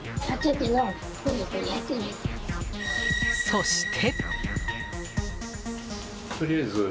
そして。